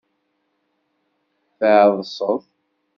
Tɛeḍseḍ.